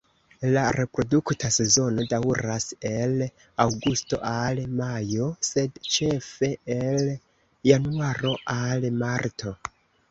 La reprodukta sezono daŭras el aŭgusto al majo, sed ĉefe el januaro al marto.